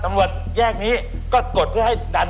ตำรวจแยกนี้ก็กดเพื่อให้ดัน